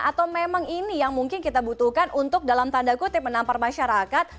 atau memang ini yang mungkin kita butuhkan untuk dalam tanda kutip menampar masyarakat